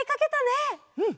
うん！